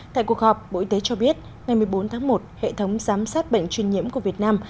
tại cuộc họp bộ y tế cho biết ngày một mươi bốn tháng một hệ thống giám sát bệnh chuyên nhiễm của việt nam